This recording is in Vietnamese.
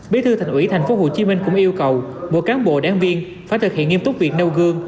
biên thư thành ủy tp hcm cũng yêu cầu một cán bộ đáng viên phải thực hiện nghiêm túc việc nâu gương